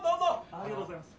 ありがとうございます。